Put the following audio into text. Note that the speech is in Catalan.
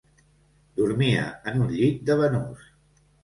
Dormia en un llit de banús.